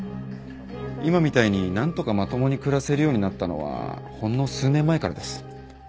今みたいになんとかまともに暮らせるようになったのはほんの数年前からです。